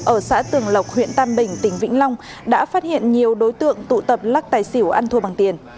ở xã tường lộc huyện tam bình tỉnh vĩnh long đã phát hiện nhiều đối tượng tụ tập lắc tài xỉu ăn thua bằng tiền